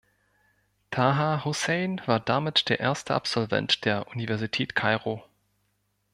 Taha Hussein war damit der erste Absolvent der Universität Kairo.